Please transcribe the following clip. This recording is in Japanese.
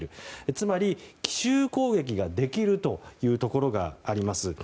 つまり、奇襲攻撃ができるというところがあります。